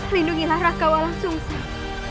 lindungilah raka walang sungsang